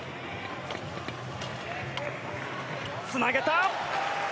つなげた！